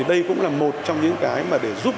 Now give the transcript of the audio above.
đây cũng là một trong những lợi nhuận